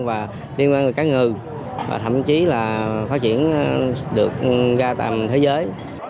và liên quan về cá ngừ và thậm chí là phát triển được ra tầm thế giới